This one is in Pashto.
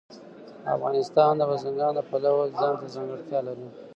افغانستان د بزګان د پلوه ځانته ځانګړتیا لري.